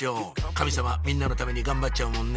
神様みんなのために頑張っちゃうもんね！